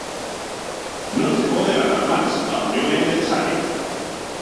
"Non se pode agardar máis: a unión é necesaria".